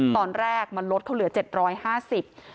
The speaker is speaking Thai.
ตอนแรกมันลดเขาเหลือ๗๕๐บาท